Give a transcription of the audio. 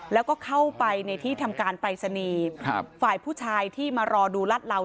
แล้วก็เข้าไปในที่ทำการปรายศนีย์ฝ่ายผู้ชายที่มารอดูรัดเหลา